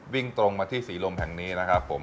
วิ่งตรงมาที่ศรีลมแห่งนี้นะครับผม